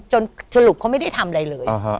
จนจุดถัดไม่ได้ทำอะไรเลย